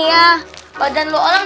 ya badan lu orang